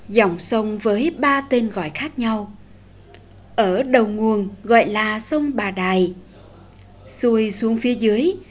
dòng sông với ba tên gọi khác nhau ở đầu nguồn gọi là sông bà đài xuôi xuống phía dưới